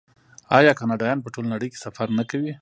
آیا کاناډایان په ټوله نړۍ کې سفر نه کوي؟